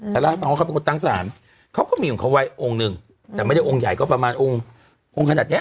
แต่ละต่อเขาเป็นคนตั้งสารเขาก็มีของเขาวัยองค์นึงแต่ไม่ได้องค์ใหญ่ก็ประมาณองค์ขนาดเนี้ย